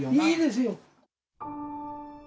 いいですよ！